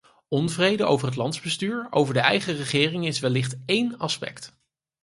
Onvrede over het landsbestuur, over de eigen regering, is wellicht één aspect.